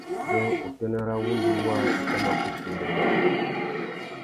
Being, utênê râ wŭndú waā i tà mà kutu ndénda wuchi.